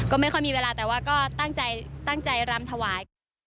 ก็ไม่ค่อยมีเวลาแต่ว่าก็ตั้งใจตั้งใจรำถวาย